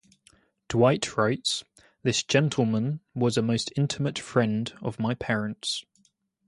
Dwight writes; this gentleman was a most intimate friend of my parents.